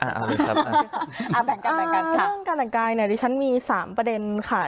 อ่าเอาเลยครับอ่าแบ่งกันแบ่งกันอ่าเรื่องการแต่งกายเนี่ยที่ฉันมีสามประเด็นค่ะ